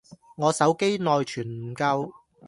我手機內存唔夠